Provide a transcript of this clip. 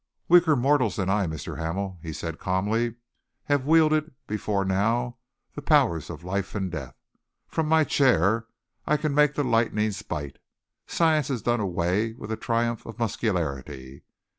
"Weaker mortals than I, Mr. Hamel," he said calmly, "have wielded before now the powers of life and death. From my chair I can make the lightnings bite. Science has done away with the triumph of muscularity.